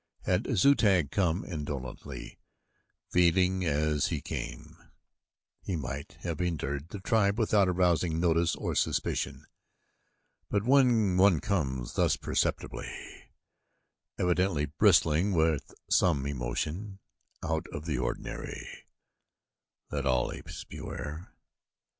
Had Zu tag come indolently, feeding as he came, he might have entered the tribe without arousing notice or suspicion, but when one comes thus precipitately, evidently bursting with some emotion out of the ordinary, let all apes beware.